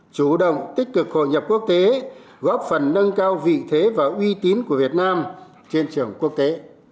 chủ động tích cực hội nhập quốc tế góp phần nâng cao vị thế và uy tín của việt nam trên trường quốc tế